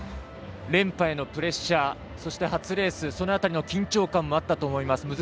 連覇へのプレッシャーそして、初レースその辺りの緊張感もあったと思います。